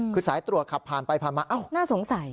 คือสายตรวจขับผ่านไปผ่านมาอ้าวน่าสงสัย